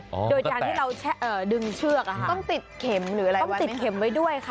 โดยการที่เราดึงเชือกต้องติดเข็มไว้ด้วยค่ะ